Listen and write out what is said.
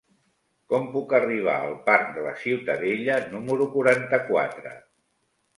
Com puc arribar al parc de la Ciutadella número quaranta-quatre?